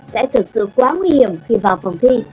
sẽ thực sự quá nguy hiểm khi vào phòng thi